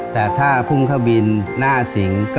แต่ถ้าพุ่งเข้าบินหน้าสิง